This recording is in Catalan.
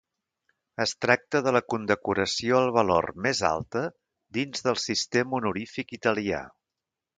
Es tracta de la condecoració al valor més alta dins del sistema honorífic italià.